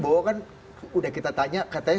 bowo kan udah kita tanya katanya